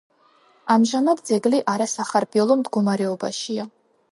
ამჟამად ძეგლი არასახარბიელო მდგომარეობაშია.